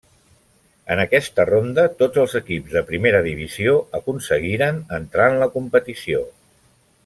En aquesta ronda, tots els equips de Primera Divisió aconseguiren entrar en la competició.